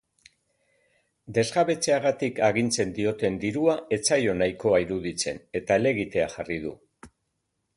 Desjabetzeagatik agintzen dioten dirua ez zaio nahikoa iruditzen eta helegitea jarri du.